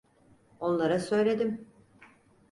Onlara söyledim.